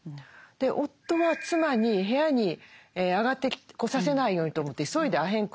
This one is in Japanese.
夫は妻に部屋に上がってこさせないようにと思って急いでアヘン